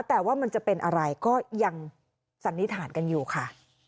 แต่ว่ามันจะเป็นอะไรก็ยังสันนิษฐานกันอยู่ค่ะ